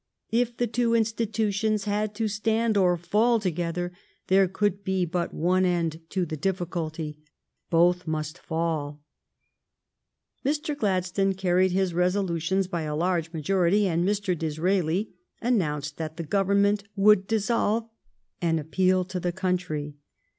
If the two institutions had to stand or fall together, there could be but one end to the difficulty: both must fall.'' Mr. Gladstone carried his resolutions by a large majority, and Mr. Disraeli announced that the Government would dissolve and appeal to the country.